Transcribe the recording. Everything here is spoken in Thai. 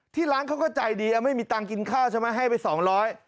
ร้านเขาก็ใจดีไม่มีตังค์กินข้าวใช่ไหมให้ไปสองร้อย